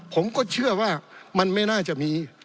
ผมก็เชื่อว่ามันไม่น่าจะมี